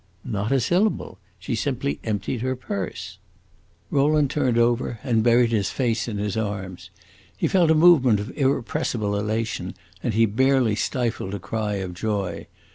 "Not a syllable. She simply emptied her purse." Rowland turned over and buried his face in his arms. He felt a movement of irrepressible elation, and he barely stifled a cry of joy.